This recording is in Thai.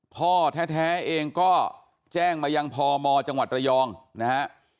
พ่อแท้เองก็แจ้งมายังพมจังหวัดระยองนะฮะ